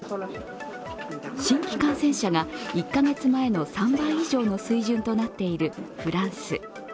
新規感染者が１カ月前の３倍以上の水準となっているフランス。